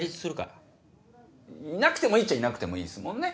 いなくてもいいっちゃいなくてもいいですもんね。